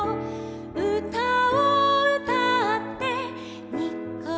「うたをうたってにっこりわらって」